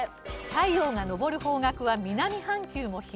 太陽が昇る方角は南半球も東。